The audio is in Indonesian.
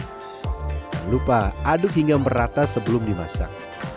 jangan lupa aduk hingga merata sebelum dimasak